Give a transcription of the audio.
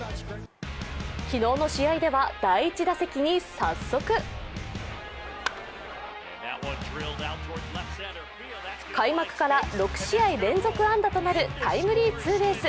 昨日の試合では第１打席に早速開幕から６試合連続安打となるタイムリーツーベース。